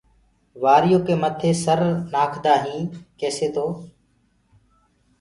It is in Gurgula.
وآريو ڪي مٿي وري سر نآکدآ هين ڪيسآ تو